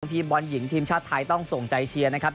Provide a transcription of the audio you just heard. ทีมบอลหญิงทีมชาติไทยต้องส่งใจเชียร์นะครับ